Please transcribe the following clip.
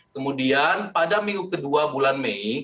kemudian pada minggu kedua bulan mei